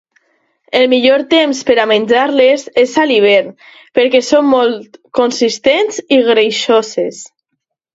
El millor temps per menjar-les és a l'hivern, perquè són molt consistents i greixoses.